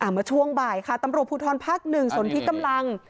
มาช่วงบ่ายค่ะตำรวจภูทรภาคหนึ่งสนทรีย์กำลัง